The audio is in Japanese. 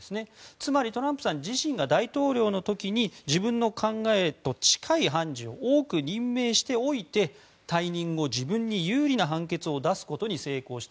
つまり、トランプさん自身が大統領の時に自分の考えと近い判事を多く任命しておいて退任後自分に有利な判決を出すことに成功した。